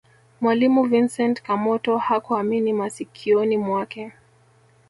mwalimu vincent kamoto hakuamini masikioni mwake